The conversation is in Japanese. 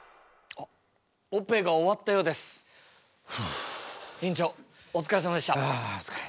ああお疲れ。